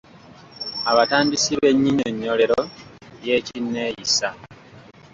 Abatandisi b’ennyinyonnyolero y’Ekinneeyisa